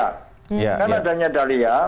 karena adanya dahlia